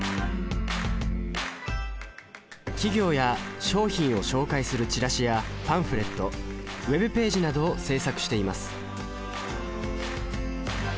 企業や商品を紹介するチラシやパンフレットＷｅｂページなどを制作しています